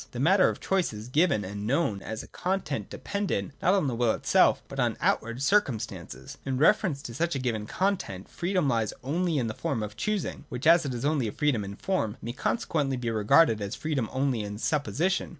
The matter of choice is given, and known as a content dependent not on the will itself, buLQn. outward circumstances. In reference to such a given content, freedom lies only in the form of choosing, which, as it is only a freedom in form, may consequently be regarded as free3bm only in supposition.